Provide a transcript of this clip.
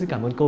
xin cảm ơn cô